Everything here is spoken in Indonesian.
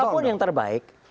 apapun yang terbaik